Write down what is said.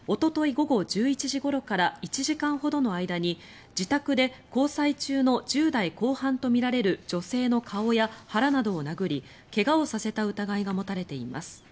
午後１１時ごろから１時間ほどの間に自宅で交際中の１０代後半とみられる女性の顔や腹などを殴り怪我をさせた疑いが持たれています。